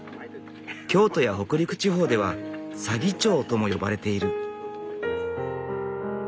京都や北陸地方では左義長とも呼ばれている。